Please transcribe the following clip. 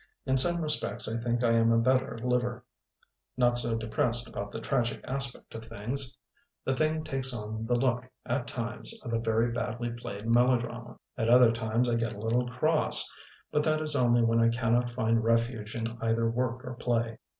In some respects I think I am a better liver; not so depressed about the tragic aspect of things. The thing takes on the look, at times, of a very badly played melo drama. At other times I get a little cross, but that is only when I cannot find refuge in either work or play.